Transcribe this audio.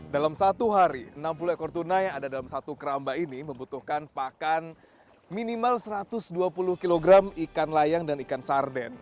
dalam satu hari enam puluh ekor tuna yang ada dalam satu keramba ini membutuhkan pakan minimal satu ratus dua puluh kg ikan layang dan ikan sarden